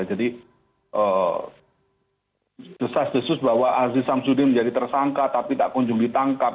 jadi desas desus bahwa aziz syamsuddin menjadi tersangka tapi tak kunjung ditangkap